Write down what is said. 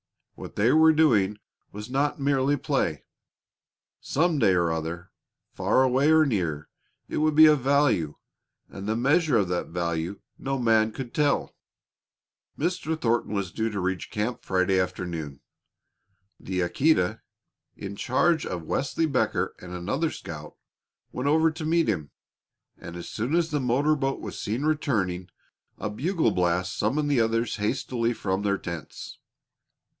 What they were doing was not merely play. Some day or other, far away or near, it would be of value; and the measure of that value no man could tell. Mr. Thornton was due to reach camp Friday afternoon. The Aquita, in charge of Wesley Becker and another scout, went over to meet him, and as soon as the motor boat was seen returning, a bugle blast summoned the others hastily from their tents.